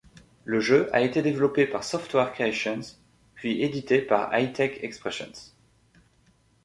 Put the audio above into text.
Le jeu a été développé par Software Creations puis édité par Hi-Tech Expressions.